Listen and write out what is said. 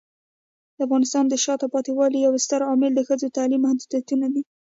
د افغانستان د شاته پاتې والي یو ستر عامل د ښځو تعلیمي محدودیتونه دي.